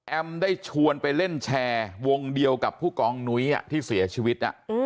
ได้ชวนไปเล่นแชร์วงเดียวกับผู้กองนุ้ยที่เสียชีวิต